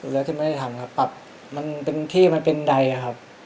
แล้วก็ไม่ได้ทำครับปรับมันเป็นที่มันเป็นใดครับ